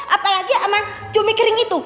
apalagi sama cumi kering itu